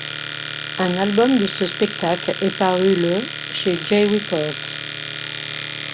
Un album de ce spectacle est paru le chez Jay Records.